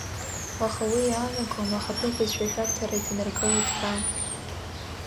Аха уи иаанагом, ахатәы бызшәа ашәарҭара иҭанаргылоит ҳәа.